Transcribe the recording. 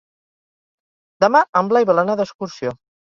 Demà en Blai vol anar d'excursió.